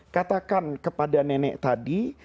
katakan kepada nenek tadi